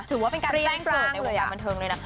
ถือว่าเป็นการแจ้งเกิดในวงการบันเทิงเลยนะ